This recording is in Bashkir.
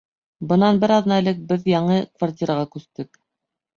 Бынан бер аҙна элек беҙ яңы квартираға күстек